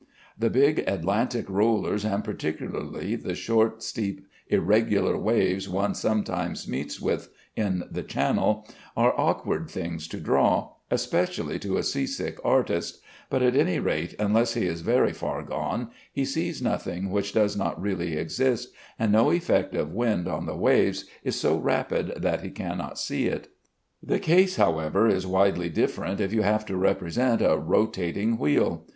The big Atlantic rollers, and particularly the short, steep, irregular waves one sometimes meets with in the Channel, are awkward things to draw, especially to a sea sick artist; but, at any rate, unless he is very far gone, he sees nothing which does not really exist, and no effect of wind on the waves is so rapid that he cannot see it. The case, however, is widely different if you have to represent a rotating wheel.